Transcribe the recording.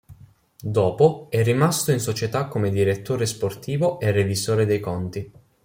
Dopo, è rimasto in società come direttore sportivo e revisore dei conti.